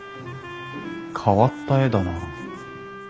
変わった絵だなあ。